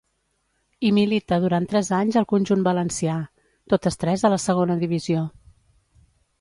Hi milita durant tres anys al conjunt valencià, totes tres a la Segona Divisió.